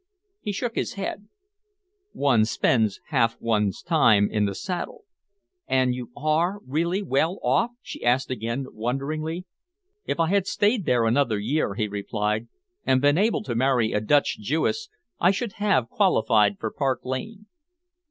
He shook his head. "One spends half one's time in the saddle." "And you are really well off?" she asked again wonderingly. "If I had stayed there another year," he replied, "and been able to marry a Dutch Jewess, I should have qualified for Park Lane."